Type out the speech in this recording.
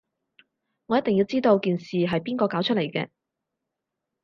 我一定要知道件事係邊個搞出嚟嘅